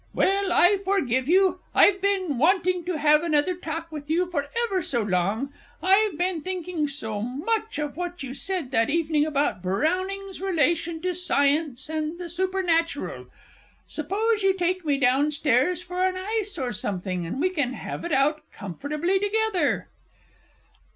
_) Well, I forgive you. I've been wanting to have another talk with you for ever so long. I've been thinking so much of what you said that evening about Browning's relation to Science and the Supernatural. Suppose you take me down stairs for an ice or something, and we can have it out comfortably together.